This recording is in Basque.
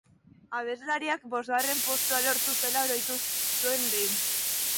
Abeslariak bosgarren postua lortu zuela oroitu zuen behin.